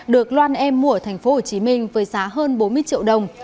được loan em mua ở tp hcm với giá hơn bốn mươi triệu đồng